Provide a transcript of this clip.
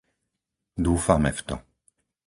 Dúfame v to.